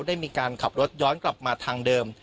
ได้มีการขับรถย้อนกลับมาทางเดิม